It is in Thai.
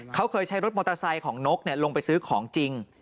เขาเคยใช้รถมอเตอร์ไซค์ของนกลงไปซื้อของจริง